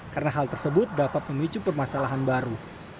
karena hal tersebut dapat memicu permasalahan baru